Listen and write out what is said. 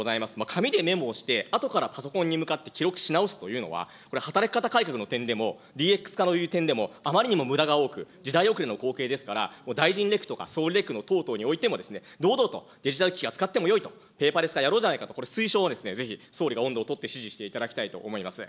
紙でメモをしてあとからパソコンに向かって記録し直すというのは、これ、働き方改革の点でも、ＤＸ化の点でもあまりにもむだが多く、時代遅れの光景ですから、大臣レクとか、総理レク等々においても、堂々とデジタル機器は使ってもよいと、ペーパーレス化やろうじゃないか、これ推奨をぜひ総理が音頭を取って指示していただきたいと思います。